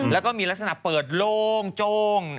แล้วก็มีลักษณะเปิดโล่งโจ้ง